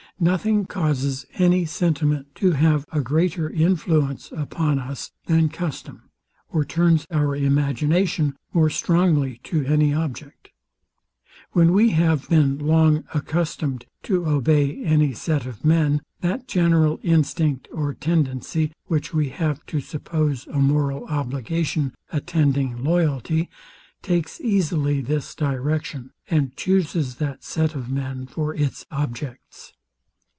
Nothing causes any sentiment to have a greater influence upon us than custom, or turns our imagination more strongly to any object. When we have been long accustomed to obey any set of men, that general instinct or tendency, which we have to suppose a moral obligation attending loyalty, takes easily this direction, and chuses that set of men for its objects.